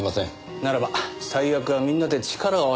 ならば最悪はみんなで力を合わせてぶち破りますか？